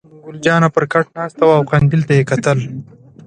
ګل جانه پر کټ ناسته وه او قندیل ته یې کتل.